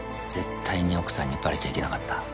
絶対に奥さんにバレちゃいけなかった。